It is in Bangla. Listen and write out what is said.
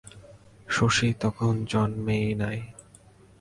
শশী তখন জন্মে নাই।